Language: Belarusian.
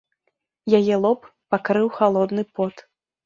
Яе лоб пакрыў халодны пот.